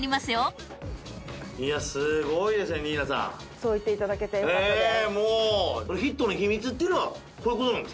そう言って頂けてよかったです。